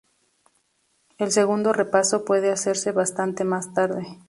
El segundo repaso puede hacerse bastante más tarde.